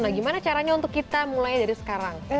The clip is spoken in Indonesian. nah gimana caranya untuk kita mulai dari sekarang